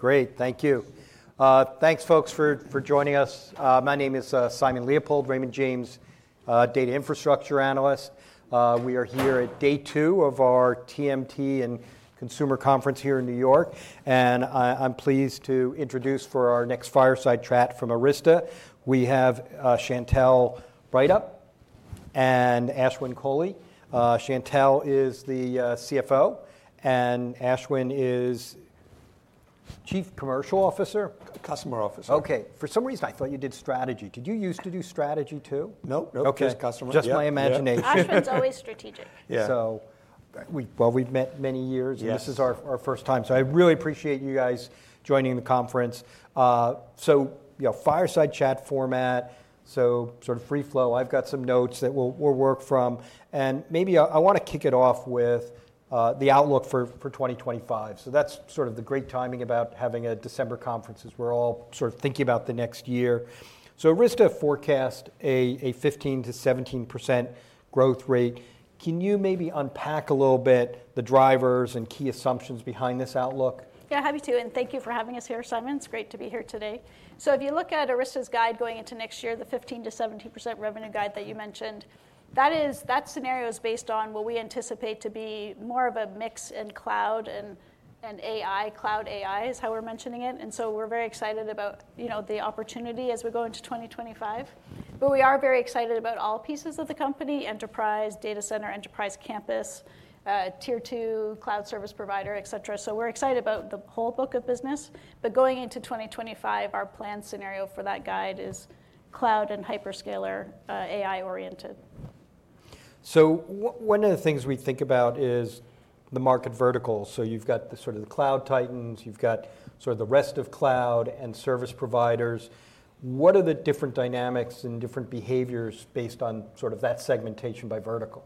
Great. Thank you. Thanks, folks, for joining us. My name is Simon Leopold, Raymond James Data Infrastructure Analyst. We are here at day two of our TMT and Consumer Conference here in New York, and I'm pleased to introduce for our next fireside chat from Arista. We have Chantelle Breithaupt and Ashwin Kohli. Chantelle is the CFO, and Ashwin is Chief Customer Officer. Customer Officer. OK. For some reason, I thought you did strategy. Did you used to do strategy too? Nope. OK. Just my imagination. Ashwin's always strategic. Yeah. Well, we've met many years, and this is our first time. So I really appreciate you guys joining the conference. So fireside chat format, so sort of free flow. I've got some notes that we'll work from, and maybe I want to kick it off with the outlook for 2025. So that's sort of the great timing about having a December conference, as we're all sort of thinking about the next year. So Arista forecasts a 15%-17% growth rate. Can you maybe unpack a little bit the drivers and key assumptions behind this outlook? Yeah, happy to. And thank you for having us here, Simon. It's great to be here today. So if you look at Arista's guide going into next year, the 15%-17% revenue guide that you mentioned, that scenario is based on what we anticipate to be more of a mix in cloud and AI, cloud AI, is how we're mentioning it. And so we're very excited about the opportunity as we go into 2025. But we are very excited about all pieces of the company: enterprise, data center, enterprise campus, Tier 2 cloud service provider, et cetera. So we're excited about the whole book of business. But going into 2025, our planned scenario for that guide is cloud and hyperscaler AI-oriented. One of the things we think about is the market verticals. So you've got sort of the Cloud Titans. You've got sort of the rest of cloud and service providers. What are the different dynamics and different behaviors based on sort of that segmentation by vertical?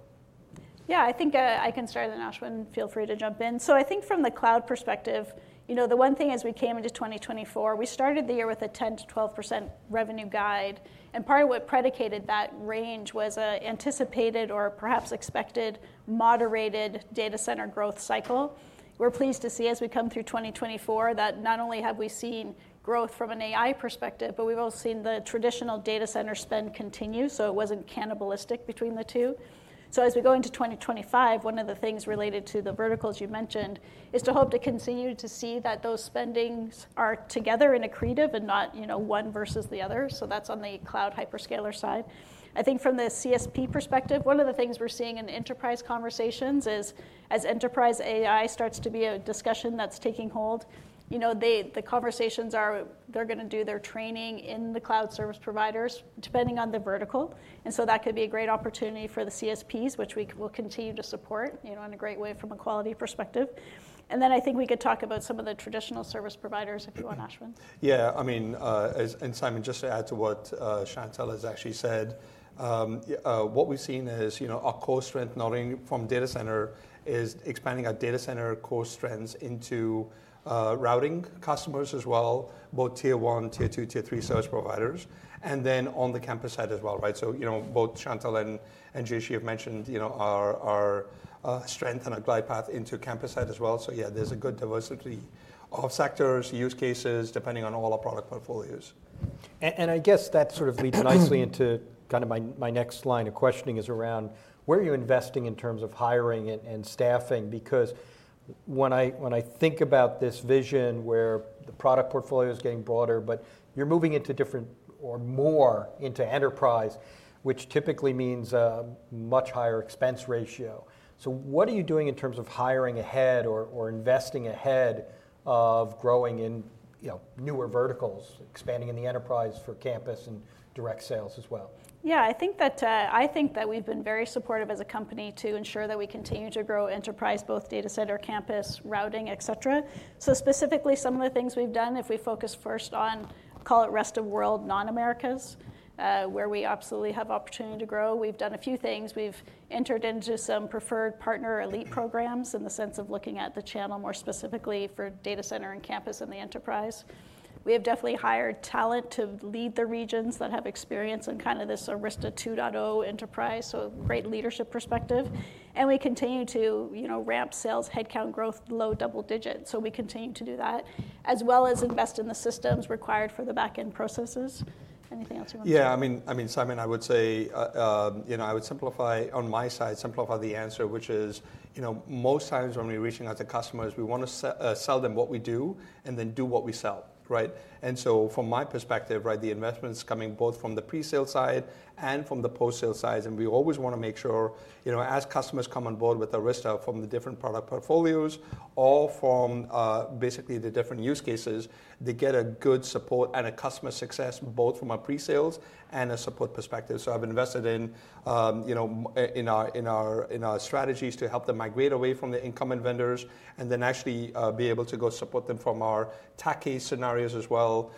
Yeah, I think I can start, and Ashwin, feel free to jump in. So I think from the cloud perspective, the one thing is we came into 2024. We started the year with a 10%-12% revenue guide. And part of what predicated that range was an anticipated or perhaps expected moderated data center growth cycle. We're pleased to see as we come through 2024 that not only have we seen growth from an AI perspective, but we've also seen the traditional data center spend continue, so it wasn't cannibalistic between the two. So as we go into 2025, one of the things related to the verticals you mentioned is to hope to continue to see that those spendings are together and accretive and not one versus the other. So that's on the cloud hyperscaler side. I think from the CSP perspective, one of the things we're seeing in enterprise conversations is, as enterprise AI starts to be a discussion that's taking hold, the conversations they're going to do their training in the cloud service providers, depending on the vertical. And so that could be a great opportunity for the CSPs, which we will continue to support in a great way from a quality perspective. And then I think we could talk about some of the traditional service providers if you want, Ashwin. Yeah. I mean, and Simon, just to add to what Chantelle has actually said, what we've seen is our core strength, not only from data center, is expanding our data center core strengths into routing customers as well, both Tier 1, Tier 2, Tier 3 service providers, and then on the campus side as well. So both Chantelle and Jayshree have mentioned our strength and our glide path into campus side as well. So yeah, there's a good diversity of sectors, use cases, depending on all our product portfolios. And I guess that sort of leads nicely into kind of my next line of questioning is around where are you investing in terms of hiring and staffing? Because when I think about this vision where the product portfolio is getting broader, but you're moving into different or more into enterprise, which typically means a much higher expense ratio. So what are you doing in terms of hiring ahead or investing ahead of growing in newer verticals, expanding in the enterprise for campus and direct sales as well? Yeah, I think that we've been very supportive as a company to ensure that we continue to grow enterprise, both data center, campus, routing, et cetera. So specifically, some of the things we've done, if we focus first on, call it rest of world non-Americas, where we absolutely have opportunity to grow, we've done a few things. We've entered into some preferred partner elite programs in the sense of looking at the channel more specifically for data center and campus and the enterprise. We have definitely hired talent to lead the regions that have experience in kind of this Arista 2.0 enterprise, so great leadership perspective. And we continue to ramp sales headcount growth below double digits. So we continue to do that, as well as invest in the systems required for the back-end processes. Anything else you want to say? Yeah. I mean, Simon, I would say I would simplify on my side, simplify the answer, which is most times when we're reaching out to customers, we want to sell them what we do and then do what we sell. And so from my perspective, the investment's coming both from the presale side and from the post-sale side. And we always want to make sure as customers come on board with Arista from the different product portfolios or from basically the different use cases, they get a good support and a customer success both from our presales and a support perspective. So I've invested in our strategies to help them migrate away from the incumbent vendors and then actually be able to go support them from our tricky scenarios as well,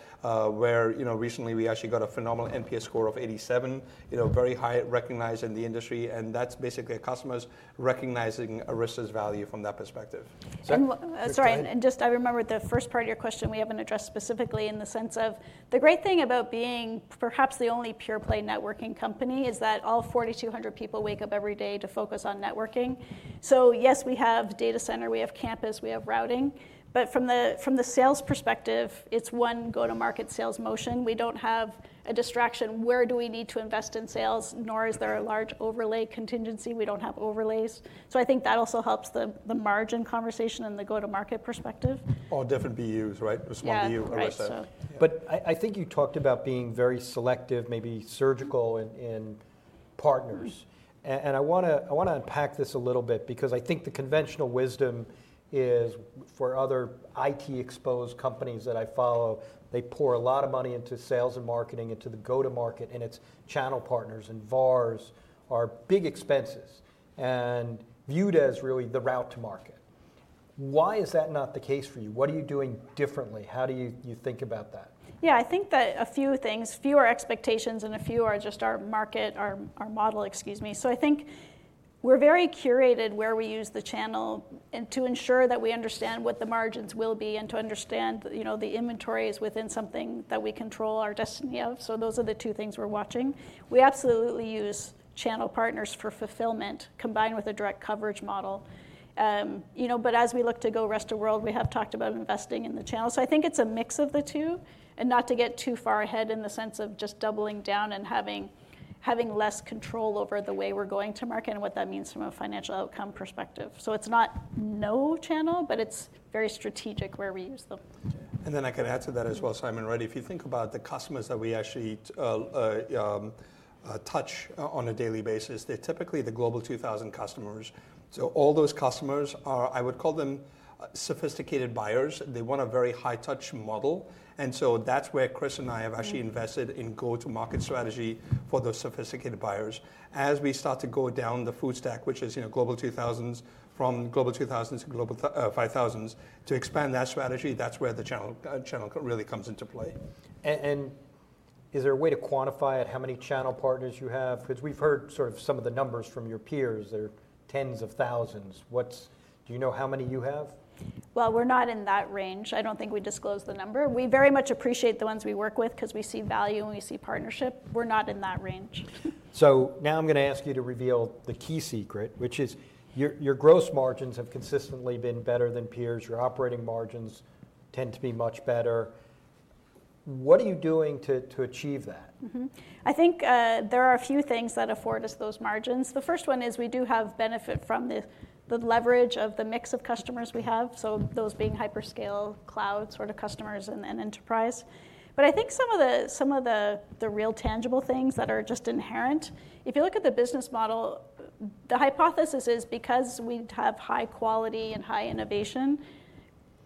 where recently we actually got a phenomenal NPS score of 87, very high, recognized in the industry. That's basically customers recognizing Arista's value from that perspective. Sorry, and just I remember the first part of your question we haven't addressed specifically, in the sense of the great thing about being perhaps the only pure-play networking company is that all 4,200 people wake up every day to focus on networking, so yes, we have data center. We have campus. We have routing. But from the sales perspective, it's one go-to-market sales motion. We don't have a distraction where do we need to invest in sales, nor is there a large overlay contingency. We don't have overlays, so I think that also helps the margin conversation and the go-to-market perspective. Or different BUs, right? A small BU, Arista. Right. But I think you talked about being very selective, maybe surgical in partners. And I want to unpack this a little bit because I think the conventional wisdom is for other IT-exposed companies that I follow, they pour a lot of money into sales and marketing, into the go-to-market, and it's channel partners and VARs are big expenses and viewed as really the route to market. Why is that not the case for you? What are you doing differently? How do you think about that? Yeah, I think that a few things, fewer expectations and a few are just our market, our model, excuse me. So I think we're very curated where we use the channel to ensure that we understand what the margins will be and to understand the inventories within something that we control our destiny of. So those are the two things we're watching. We absolutely use channel partners for fulfillment combined with a direct coverage model. But as we look to go rest of world, we have talked about investing in the channel. So I think it's a mix of the two, and not to get too far ahead in the sense of just doubling down and having less control over the way we're going to market and what that means from a financial outcome perspective. So it's not no channel, but it's very strategic where we use them. And then I can add to that as well, Simon. If you think about the customers that we actually touch on a daily basis, they're typically the Global 2000 customers. So all those customers are, I would call them, sophisticated buyers. They want a very high-touch model. And so that's where Chris and I have actually invested in go-to-market strategy for those sophisticated buyers. As we start to go down the food chain, which is Global 2000s from Global 2000s to Global 5000s, to expand that strategy, that's where the channel really comes into play. Is there a way to quantify it, how many channel partners you have? Because we've heard sort of some of the numbers from your peers. They're tens of thousands. Do you know how many you have? We're not in that range. I don't think we disclose the number. We very much appreciate the ones we work with because we see value and we see partnership. We're not in that range. So now I'm going to ask you to reveal the key secret, which is your gross margins have consistently been better than peers. Your operating margins tend to be much better. What are you doing to achieve that? I think there are a few things that afford us those margins. The first one is we do have benefit from the leverage of the mix of customers we have, so those being hyperscale, cloud sort of customers, and enterprise. But I think some of the real tangible things that are just inherent, if you look at the business model, the hypothesis is because we have high quality and high innovation,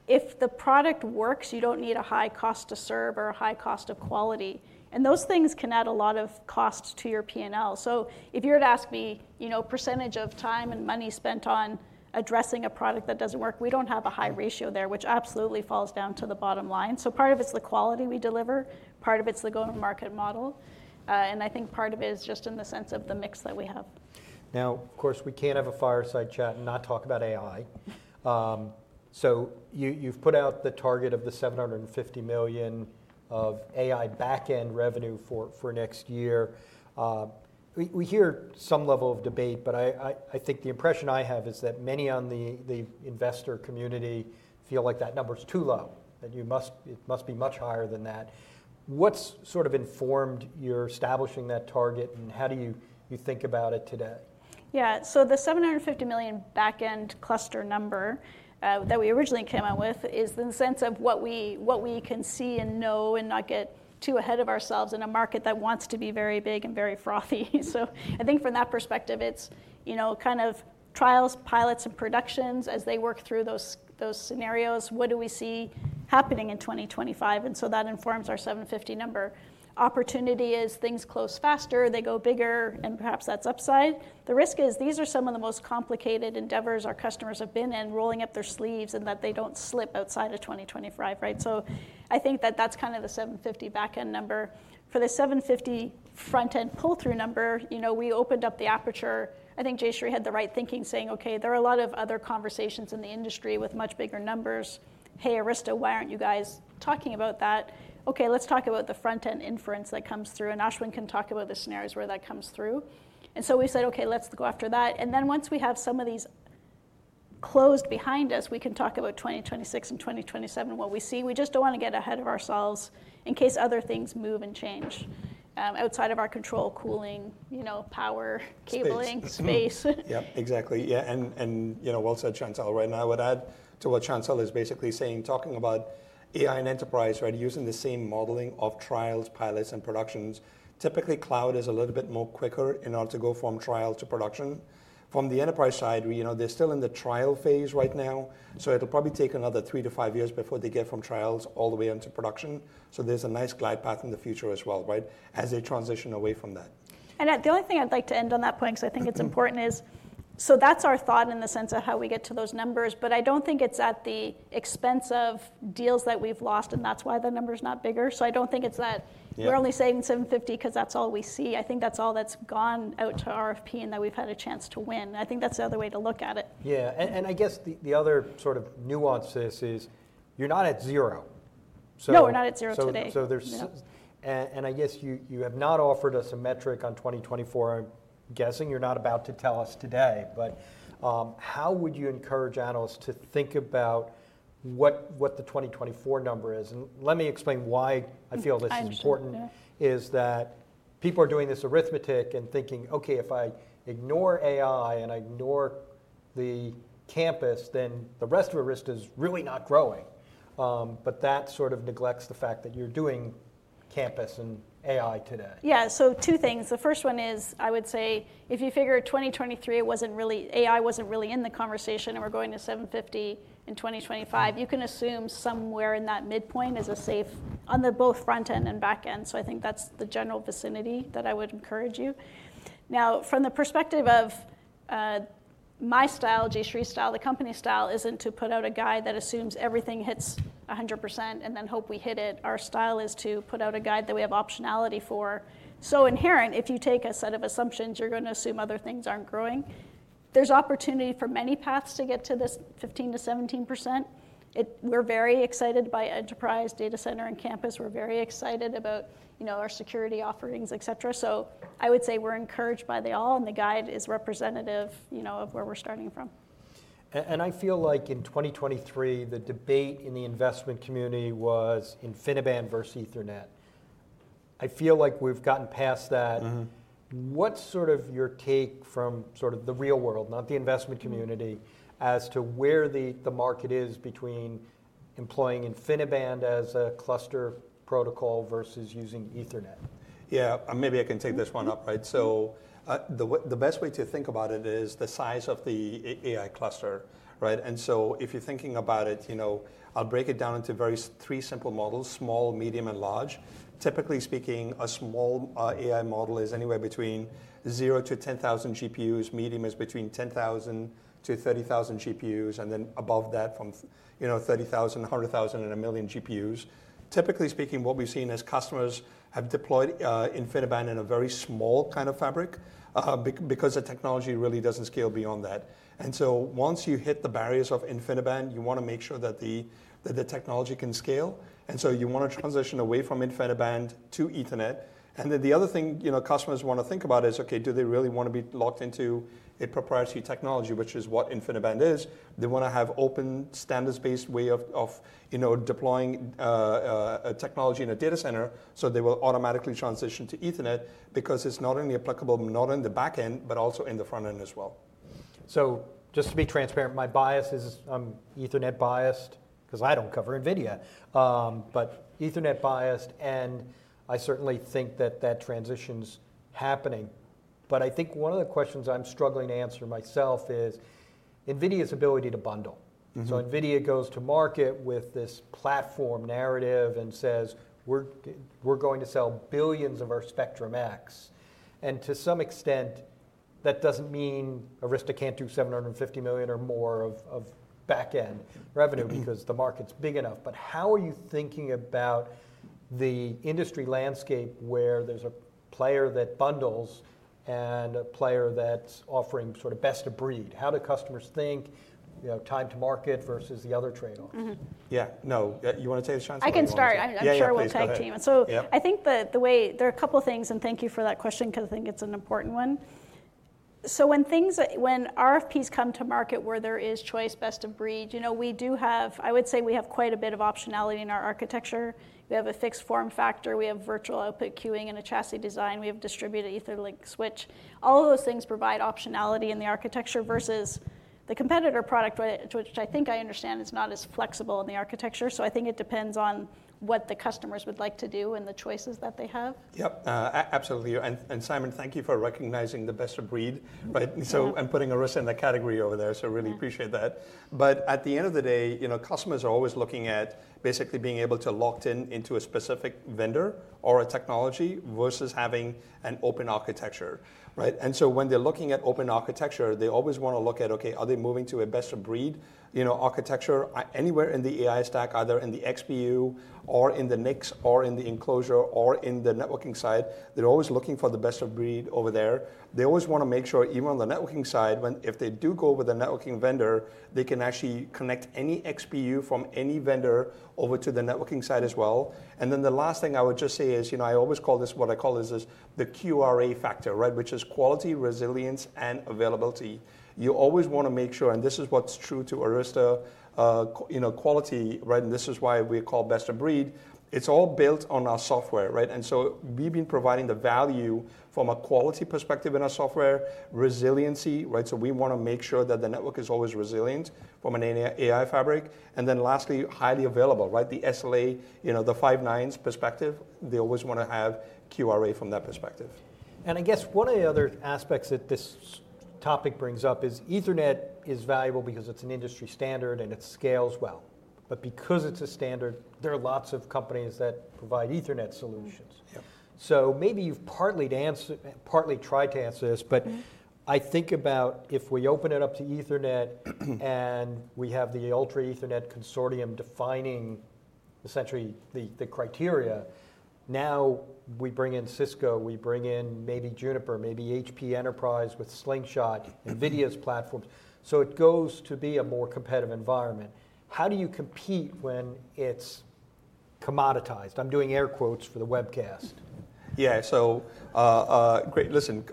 if the product works, you don't need a high cost to serve or a high cost of quality. And those things can add a lot of cost to your P&L. So if you were to ask me percentage of time and money spent on addressing a product that doesn't work, we don't have a high ratio there, which absolutely falls down to the bottom line. So part of it's the quality we deliver. Part of it's the go-to-market model. I think part of it is just in the sense of the mix that we have. Now, of course, we can't have a fireside chat and not talk about AI. So you've put out the target of the $750 million of AI back-end revenue for next year. We hear some level of debate, but I think the impression I have is that many on the investor community feel like that number's too low, that it must be much higher than that. What's sort of informed your establishing that target, and how do you think about it today? Yeah. So the $750 million back-end cluster number that we originally came out with is in the sense of what we can see and know and not get too ahead of ourselves in a market that wants to be very big and very frothy. So I think from that perspective, it's kind of trials, pilots, and productions as they work through those scenarios. What do we see happening in 2025, and so that informs our $750 number. Opportunity is things close faster. They go bigger, and perhaps that's upside. The risk is these are some of the most complicated endeavors our customers have been in, rolling up their sleeves and that they don't slip outside of 2025. So I think that that's kind of the $750 back-end number. For the $750 front-end pull-through number, we opened up the aperture. I think Jayshree had the right thinking, saying, "OK, there are a lot of other conversations in the industry with much bigger numbers. Hey, Arista, why aren't you guys talking about that? OK, let's talk about the front-end inference that comes through, and Ashwin can talk about the scenarios where that comes through," and so we said, "OK, let's go after that," and then once we have some of these closed behind us, we can talk about 2026 and 2027, what we see. We just don't want to get ahead of ourselves in case other things move and change outside of our control, cooling, power, cabling, space. Yep, exactly. Yeah, and well said, Chantelle. Right now, I would add to what Chantelle is basically saying, talking about AI and enterprise using the same modeling of trials, pilots, and productions. Typically, cloud is a little bit more quicker in order to go from trial to production. From the enterprise side, they're still in the trial phase right now. So it'll probably take another three to five years before they get from trials all the way into production. So there's a nice glide path in the future as well as they transition away from that. The only thing I'd like to end on that point, because I think it's important, is so that's our thought in the sense of how we get to those numbers. I don't think it's at the expense of deals that we've lost, and that's why the number's not bigger. I don't think it's that we're only saving $750 because that's all we see. I think that's all that's gone out to RFP and that we've had a chance to win. I think that's the other way to look at it. Yeah, and I guess the other sort of nuance is you're not at zero. No, we're not at zero today. And I guess you have not offered us a metric on 2024. I'm guessing you're not about to tell us today. But how would you encourage analysts to think about what the 2024 number is? And let me explain why I feel this is important. Is that people are doing this arithmetic and thinking, OK, if I ignore AI and I ignore the campus, then the rest of Arista is really not growing. But that sort of neglects the fact that you're doing campus and AI today. Yeah. So two things. The first one is I would say if you figure 2023, AI wasn't really in the conversation and we're going to $750 in 2025, you can assume somewhere in that midpoint is a safe on the both front end and back end. So I think that's the general vicinity that I would encourage you. Now, from the perspective of my style, Jayshree's style, the company style isn't to put out a guide that assumes everything hits 100% and then hope we hit it. Our style is to put out a guide that we have optionality for. So inherent, if you take a set of assumptions, you're going to assume other things aren't growing. There's opportunity for many paths to get to this 15%-17%. We're very excited by enterprise, data center, and campus. We're very excited about our security offerings, et cetera. I would say we're encouraged by the all, and the guide is representative of where we're starting from. I feel like in 2023, the debate in the investment community was InfiniBand versus Ethernet. I feel like we've gotten past that. What's sort of your take from sort of the real world, not the investment community, as to where the market is between employing InfiniBand as a cluster protocol versus using Ethernet? Yeah, maybe I can take this one up. The best way to think about it is the size of the AI cluster. If you're thinking about it, I'll break it down into three simple models: small, medium, and large. Typically speaking, a small AI model is anywhere between 0-10,000 GPUs. Medium is between 10,000-30,000 GPUs. Above that, from 30,000, 100,000, and a million GPUs. Typically speaking, what we've seen is customers have deployed InfiniBand in a very small kind of fabric because the technology really doesn't scale beyond that. Once you hit the barriers of InfiniBand, you want to make sure that the technology can scale. You want to transition away from InfiniBand to Ethernet. And then the other thing customers want to think about is, OK, do they really want to be locked into a proprietary technology, which is what InfiniBand is? They want to have an open standards-based way of deploying technology in a data center. So they will automatically transition to Ethernet because it's not only applicable on the back end, but also in the front end as well. So just to be transparent, my bias is I'm Ethernet biased because I don't cover NVIDIA. But Ethernet biased. And I certainly think that that transition's happening. But I think one of the questions I'm struggling to answer myself is NVIDIA's ability to bundle. So NVIDIA goes to market with this platform narrative and says, we're going to sell billions of our Spectrum-X. And to some extent, that doesn't mean Arista can't do $750 million or more of back-end revenue because the market's big enough. But how are you thinking about the industry landscape where there's a player that bundles and a player that's offering sort of best of breed? How do customers think time to market versus the other trade-offs? Yeah. No, you want to take the chance. I can start. I'm sure we'll tag team. So I think the way there are a couple of things, and thank you for that question because I think it's an important one. So when RFPs come to market where there is choice, best of breed, we do have, I would say we have quite a bit of optionality in our architecture. We have a fixed form factor. We have Virtual Output Queuing and a chassis design. We have Distributed Etherlink Switch. All of those things provide optionality in the architecture versus the competitor product, which I think I understand is not as flexible in the architecture. So I think it depends on what the customers would like to do and the choices that they have. Yep, absolutely. And Simon, thank you for recognizing the best of breed. And putting Arista in that category over there. So I really appreciate that. But at the end of the day, customers are always looking at basically being able to lock in into a specific vendor or a technology versus having an open architecture. And so when they're looking at open architecture, they always want to look at, OK, are they moving to a best of breed architecture anywhere in the AI stack, either in the XPU or in the NICs or in the enclosure or in the networking side? They're always looking for the best of breed over there. They always want to make sure even on the networking side, if they do go with a networking vendor, they can actually connect any XPU from any vendor over to the networking side as well. And then the last thing I would just say is I always call this what I call the QRA factor, which is quality, resilience, and availability. You always want to make sure, and this is what's true to Arista, quality, and this is why we call best of breed. It's all built on our software. And so we've been providing the value from a quality perspective in our software, resiliency. So we want to make sure that the network is always resilient from an AI fabric. And then lastly, highly available, the SLA, the five nines perspective. They always want to have QRA from that perspective. And I guess one of the other aspects that this topic brings up is Ethernet is valuable because it's an industry standard and it scales well. But because it's a standard, there are lots of companies that provide Ethernet solutions. So maybe you've partly tried to answer this. But I think about if we open it up to Ethernet and we have the Ultra Ethernet Consortium defining essentially the criteria. Now we bring in Cisco, we bring in maybe Juniper, maybe HPE with Slingshot, NVIDIA's platforms. So it goes to be a more competitive environment. How do you compete when it's commoditized? I'm doing air quotes for the webcast. Yeah. So great. Listen,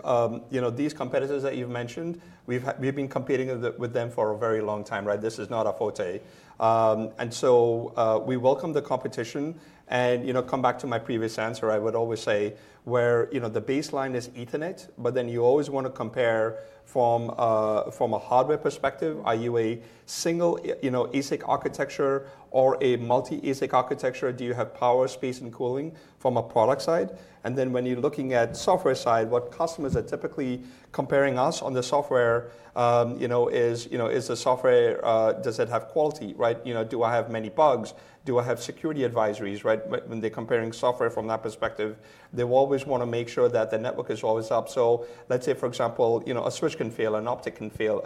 these competitors that you've mentioned, we've been competing with them for a very long time. This is not a forte, and so we welcome the competition, and come back to my previous answer, I would always say where the baseline is Ethernet, but then you always want to compare from a hardware perspective. Are you a single ASIC architecture or a multi-ASIC architecture? Do you have power, space, and cooling from a product side, and then when you're looking at the software side, what customers are typically comparing us on the software is the software, does it have quality? Do I have many bugs? Do I have security advisories? When they're comparing software from that perspective, they will always want to make sure that the network is always up, so let's say, for example, a switch can fail, an optic can fail,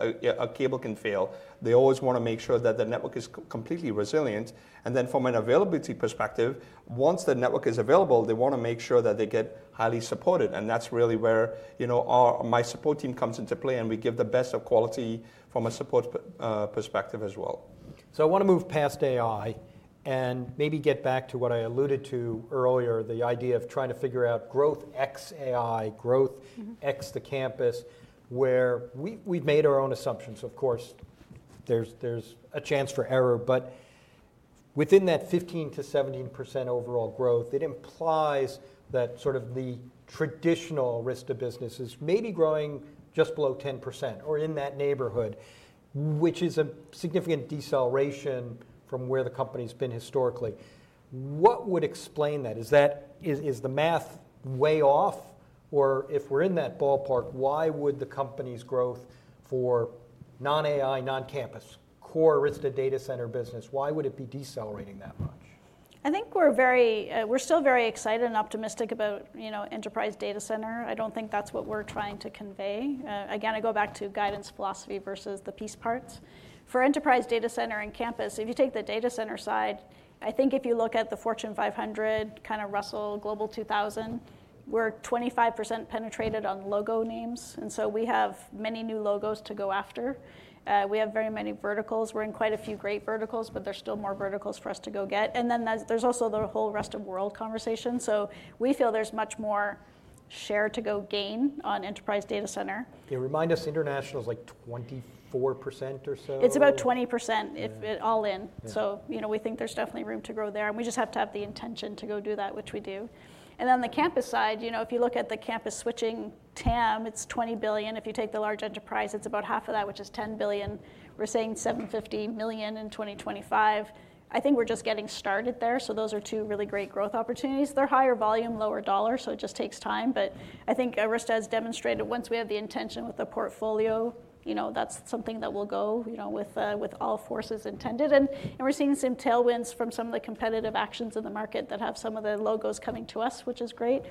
a cable can fail. They always want to make sure that the network is completely resilient, and then from an availability perspective, once the network is available, they want to make sure that they get highly supported, and that's really where my support team comes into play, and we give the best of quality from a support perspective as well. So I want to move past AI and maybe get back to what I alluded to earlier, the idea of trying to figure out growth x AI, growth x the campus, where we've made our own assumptions. Of course, there's a chance for error. But within that 15%-17% overall growth, it implies that sort of the traditional Arista business is maybe growing just below 10% or in that neighborhood, which is a significant deceleration from where the company's been historically. What would explain that? Is the math way off? Or if we're in that ballpark, why would the company's growth for non-AI, non-campus, core Arista data center business, why would it be decelerating that much? I think we're still very excited and optimistic about enterprise data center. I don't think that's what we're trying to convey. Again, I go back to guidance philosophy versus the piece parts. For enterprise data center and campus, if you take the data center side, I think if you look at the Fortune 500, kind of Russell, Global 2000, we're 25% penetrated on logo names. And so we have many new logos to go after. We have very many verticals. We're in quite a few great verticals, but there's still more verticals for us to go get. And then there's also the whole rest of world conversation. So we feel there's much more share to go gain on enterprise data center. Yeah, remind us international is like 24% or so. It's about 20% all in, so we think there's definitely room to grow there, and we just have to have the intention to go do that, which we do, and then the campus side, if you look at the campus switching TAM, it's $20 billion, if you take the large enterprise, it's about half of that, which is $10 billion, we're saying $750 million in 2025, I think we're just getting started there, so those are two really great growth opportunities, they're higher volume, lower dollar, so it just takes time, but I think Arista has demonstrated once we have the intention with the portfolio, that's something that will go with all forces intended, and we're seeing some tailwinds from some of the competitive actions in the market that have some of the logos coming to us, which is great.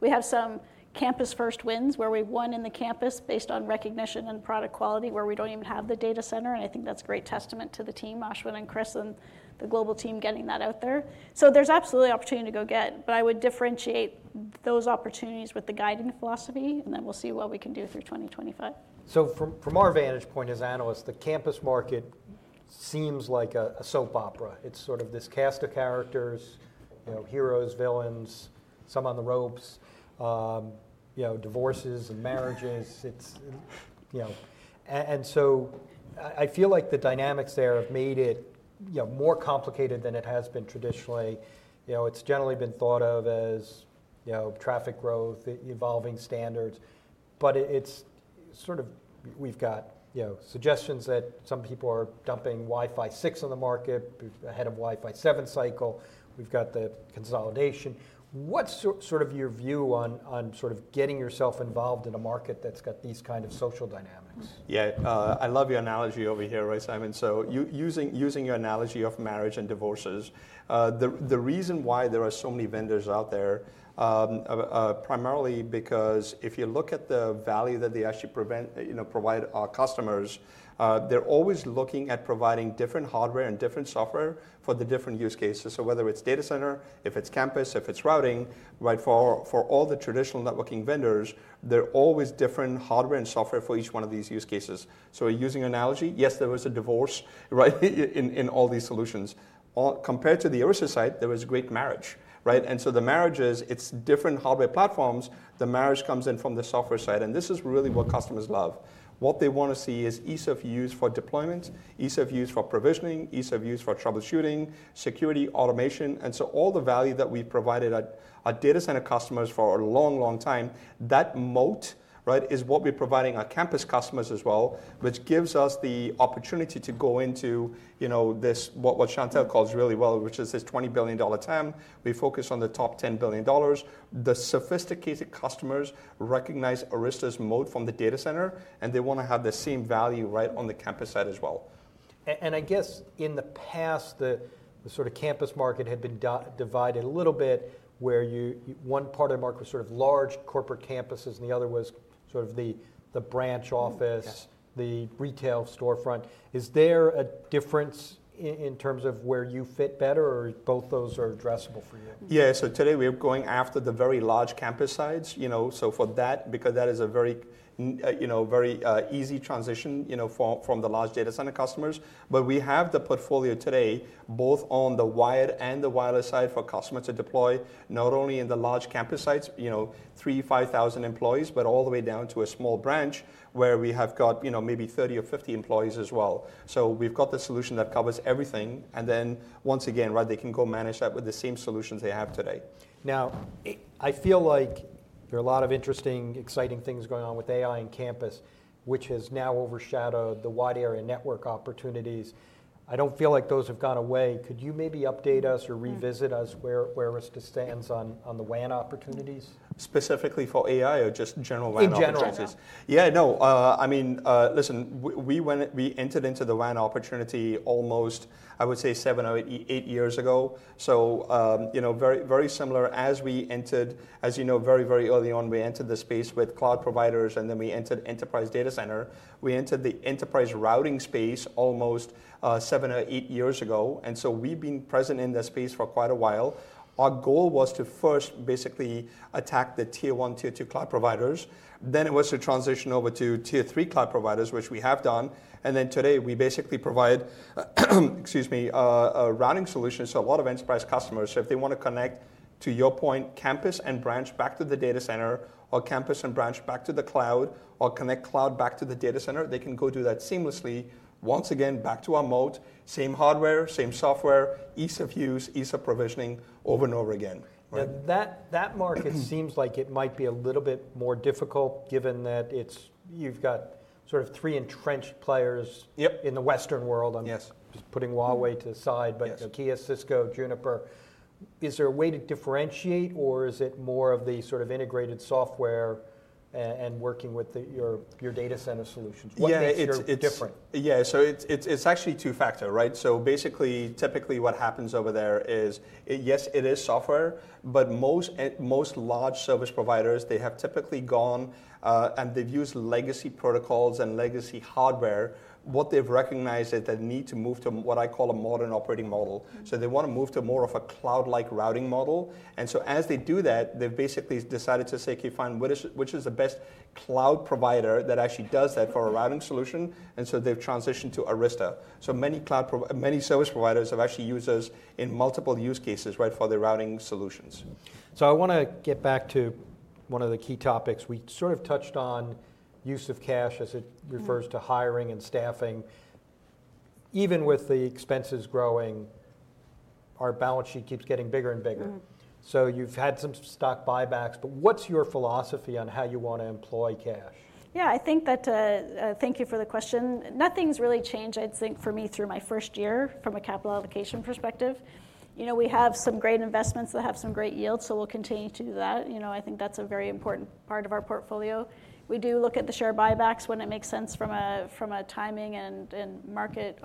We have some campus-first wins where we've won in the campus based on recognition and product quality where we don't even have the data center. And I think that's a great testament to the team, Ashwin and Chris, and the global team getting that out there. So there's absolutely opportunity to go get. But I would differentiate those opportunities with the guiding philosophy. And then we'll see what we can do through 2025. So from our vantage point as analysts, the campus market seems like a soap opera. It's sort of this cast of characters, heroes, villains, some on the ropes, divorces and marriages. And so I feel like the dynamics there have made it more complicated than it has been traditionally. It's generally been thought of as traffic growth, evolving standards. But it's sort of we've got suggestions that some people are dumping Wi-Fi 6 on the market ahead of Wi-Fi 7 cycle. We've got the consolidation. What's sort of your view on sort of getting yourself involved in a market that's got these kind of social dynamics? Yeah, I love your analogy over here, Simon. So using your analogy of marriage and divorces, the reason why there are so many vendors out there primarily because if you look at the value that they actually provide our customers, they're always looking at providing different hardware and different software for the different use cases. So whether it's data center, if it's campus, if it's routing, for all the traditional networking vendors, there are always different hardware and software for each one of these use cases. So using analogy, yes, there was a divorce in all these solutions. Compared to the Arista side, there was great marriage. And so the marriages, it's different hardware platforms. The marriage comes in from the software side. And this is really what customers love. What they want to see is ease of use for deployment, ease of use for provisioning, ease of use for troubleshooting, security, automation. And so all the value that we've provided our data center customers for a long, long time, that moat is what we're providing our campus customers as well, which gives us the opportunity to go into what Chantelle calls really well, which is this $20 billion TAM. We focus on the top $10 billion. The sophisticated customers recognize Arista's moat from the data center. And they want to have the same value right on the campus side as well. I guess in the past, the sort of campus market had been divided a little bit where one part of the market was sort of large corporate campuses, and the other was sort of the branch office, the retail storefront. Is there a difference in terms of where you fit better or both those are addressable for you? Yeah, so today we're going after the very large campus sites. So for that, because that is a very easy transition from the large data center customers. But we have the portfolio today both on the wired and the wireless side for customers to deploy, not only in the large campus sites, 3,000, 5,000 employees, but all the way down to a small branch where we have got maybe 30 or 50 employees as well. So we've got the solution that covers everything. And then once again, they can go manage that with the same solutions they have today. Now, I feel like there are a lot of interesting, exciting things going on with AI and campus, which has now overshadowed the wide area network opportunities. I don't feel like those have gone away. Could you maybe update us or revisit us where Arista stands on the WAN opportunities? Specifically for AI or just general WAN opportunities? In general. Yeah, no. I mean, listen, we entered into the WAN opportunity almost, I would say, seven or eight years ago. So very similar as we entered, as you know, very, very early on, we entered the space with cloud providers. And then we entered enterprise data center. We entered the enterprise routing space almost seven or eight years ago. And so we've been present in that space for quite a while. Our goal was to first basically attack the Tier 1, Tier 2 cloud providers. Then it was to transition over to Tier 3 cloud providers, which we have done. And then today we basically provide, excuse me, routing solutions to a lot of enterprise customers. So if they want to connect, to your point, campus and branch back to the data center or campus and branch back to the cloud or connect cloud back to the data center, they can go do that seamlessly. Once again, back to our moat, same hardware, same software, ease of use, ease of provisioning over and over again. That market seems like it might be a little bit more difficult given that you've got sort of three entrenched players in the Western world. I'm just putting Huawei to the side, but HPE, Cisco, Juniper. Is there a way to differentiate or is it more of the sort of integrated software and working with your data center solutions? What makes it different? Yeah, so it's actually two-factor. So basically, typically what happens over there is, yes, it is software. But most large service providers, they have typically gone and they've used legacy protocols and legacy hardware. What they've recognized is they need to move to what I call a modern operating model. So they want to move to more of a cloud-like routing model. And so as they do that, they've basically decided to say, OK, fine, which is the best cloud provider that actually does that for a routing solution? And so they've transitioned to Arista. So many service providers have actually used us in multiple use cases for their routing solutions. So I want to get back to one of the key topics. We sort of touched on use of cash as it refers to hiring and staffing. Even with the expenses growing, our balance sheet keeps getting bigger and bigger. So you've had some stock buybacks. But what's your philosophy on how you want to employ cash? Yeah, thank you for the question. Nothing's really changed, I think, for me through my first year from a capital allocation perspective. We have some great investments that have some great yields. So we'll continue to do that. I think that's a very important part of our portfolio. We do look at the share buybacks when it makes sense from a timing and market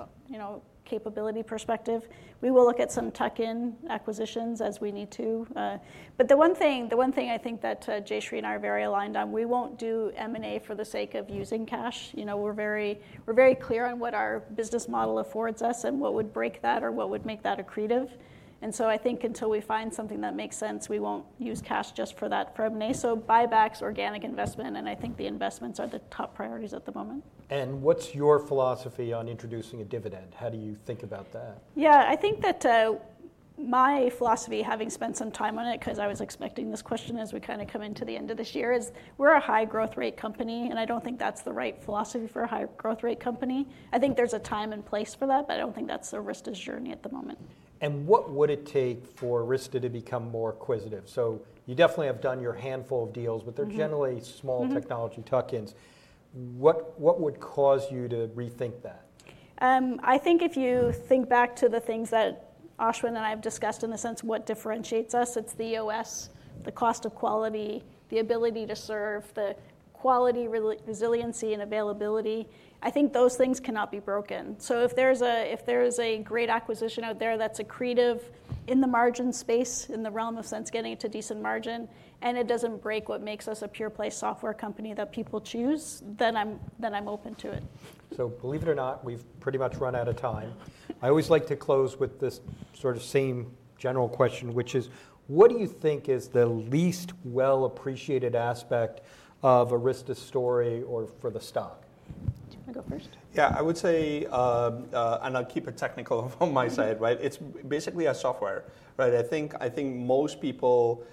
capability perspective. We will look at some tuck-in acquisitions as we need to. But the one thing I think that Jayshree and I are very aligned on, we won't do M&A for the sake of using cash. We're very clear on what our business model affords us and what would break that or what would make that accretive. And so I think until we find something that makes sense, we won't use cash just for that. So buybacks, organic investment, and I think the investments are the top priorities at the moment. What's your philosophy on introducing a dividend? How do you think about that? Yeah, I think that my philosophy, having spent some time on it because I was expecting this question as we kind of come into the end of this year, is we're a high-growth rate company. And I don't think that's the right philosophy for a high-growth rate company. I think there's a time and place for that. But I don't think that's Arista's journey at the moment. And what would it take for Arista to become more acquisitive? So you definitely have done your handful of deals, but they're generally small technology tuck-ins. What would cause you to rethink that? I think if you think back to the things that Ashwin and I have discussed in the sense of what differentiates us, it's the OS, the cost of quality, the ability to serve, the quality, resiliency, and availability. I think those things cannot be broken, so if there's a great acquisition out there that's accretive in the margin space, in the realm of sense getting it to decent margin, and it doesn't break what makes us a pure-play software company that people choose, then I'm open to it. So believe it or not, we've pretty much run out of time. I always like to close with this sort of same general question, which is, what do you think is the least well-appreciated aspect of Arista's story or for the stock? Do you want to go first? Yeah, I would say, and I'll keep it technical on my side, it's basically our software. I think most people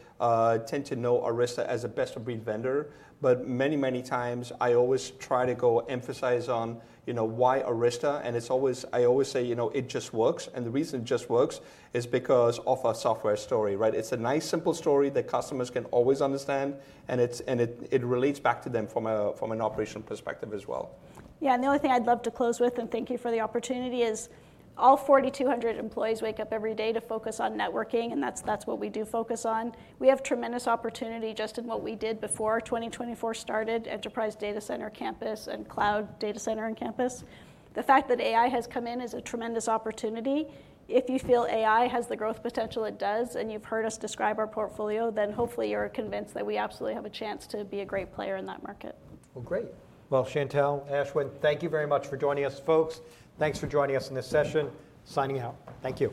tend to know Arista as a best-of-breed vendor. But many, many times, I always try to go emphasize on why Arista. And I always say, it just works. And the reason it just works is because of our software story. It's a nice, simple story that customers can always understand. And it relates back to them from an operational perspective as well. Yeah, and the only thing I'd love to close with, and thank you for the opportunity, is all 4,200 employees wake up every day to focus on networking. And that's what we do focus on. We have tremendous opportunity just in what we did before 2024 started, enterprise data center, campus, and cloud data center and campus. The fact that AI has come in is a tremendous opportunity. If you feel AI has the growth potential it does, and you've heard us describe our portfolio, then hopefully you're convinced that we absolutely have a chance to be a great player in that market. Great. Chantelle, Ashwin, thank you very much for joining us, folks. Thanks for joining us in this session. Signing out. Thank you.